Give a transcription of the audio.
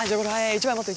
１枚持って！